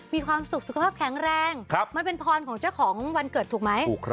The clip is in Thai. มีความสุขสุขภาพแข็งแรงมันเป็นพรของเจ้าของวันเกิดถูกไหม